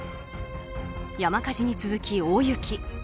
山火事に続き大雪。